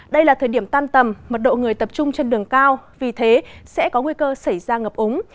đây là thời điểm tan tầm mật độ người tập trung trên đường cao vì thế sẽ có nguy cơ xảy ra ngập ống